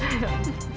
yuk kita masuk